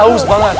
haus banget nih